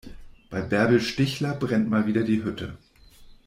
Bei Bärbel Stichler brennt mal wieder die Hütte.